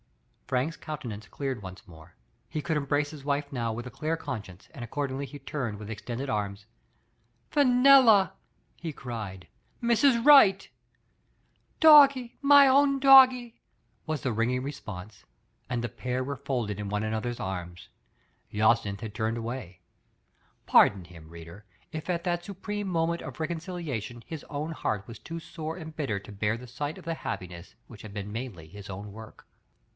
Frank's countenance cleared once more; he could embrace his wife now with ^ clear con science, 2^nd accordingly he turned with extended arms. "Fenella," he cried, Mrs. Right !"'' Doggie y my own, Doggie!'' was the ringing response, and the pair were folded in one anoth er's arms. J?icynth had turned s^way. Pardon him, reader, if at th^t supreme moment of recon ciliation his own heart was too sore and bitter to bear the sight of the happiness which had been mainly his own work.